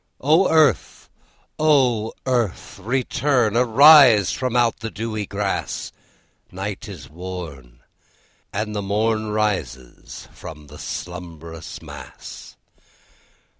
'O Earth, O Earth, return! Arise from out the dewy grass! Night is worn, And the morn Rises from the slumbrous mass.